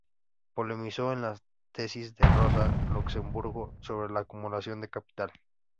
Polemizó con las tesis de Rosa Luxemburgo sobre la acumulación de capital.